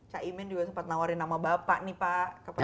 cak imin juga sempat nawarin nama bapak nih pak ke prabowo